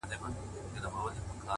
نور مينه نه کومه دا ښامار اغزن را باسم~